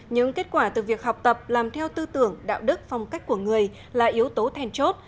những kết quả từ việc học tập làm theo tư tưởng đạo đức phong cách của người là yếu tố thèn chốt